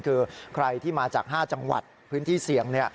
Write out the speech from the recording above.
คือใครที่มาจาก๕จังหวัดพื้นที่เสี่ยง